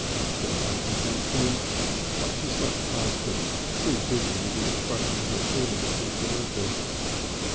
said Uncle Pentstemon, but she swept past him, too busy with the expression of her feelings to observe him.